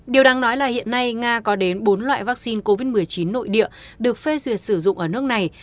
điều đáng nói là hiện nay nga có đến bốn loại vaccine covid một mươi chín nội địa được phê duyệt sử dụng ở nước này